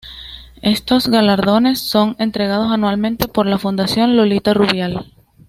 Estos galardones son entregados anualmente por la Fundación Lolita Rubial.